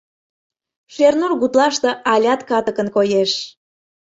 Шернур гутлаште алят катыкын коеш.